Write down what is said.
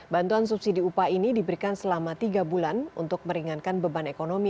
bantuan subsidi upah ini diberikan selama tiga bulan untuk meringankan beban ekonomi